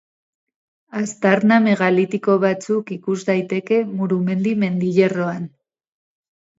Aztarna megalitiko batzuk ikus daiteke Murumendi mendilerroan.